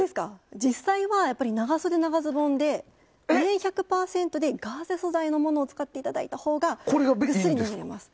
実際は長袖長ズボンで綿１００％でガーゼ素材のものを使っていただいたほうがぐっすり眠れます。